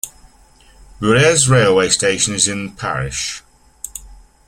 Bures railway station is in the parish.